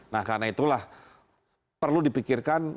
nah karena itulah perlu dipikirkan